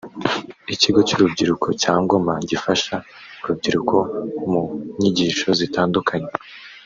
Ikigo cy’Urubyiruko cya Ngoma gifasha urubyiruko mu nyigisho zitandukanye